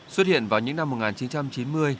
xuất hiện vào những năm một nghìn chín trăm chín mươi